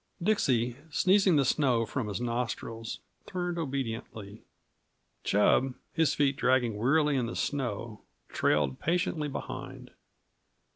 Dixie, sneezing the snow from his nostrils, turned obediently; Chub, his feet dragging wearily in the snow, trailed patiently behind.